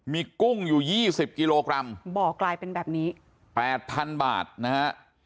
มีกุ้งอยู่๒๐กิโลกรัมบ่อกลายเป็นแบบนี้๘๐๐๐บาทนะฮะ